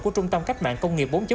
của trung tâm cách mạng công nghiệp bốn